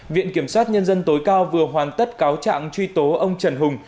viện kiểm sát nhân dân tối cao vừa hoàn tất cáo trạng truy tố ông trần hùng